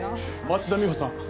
町田美穂さん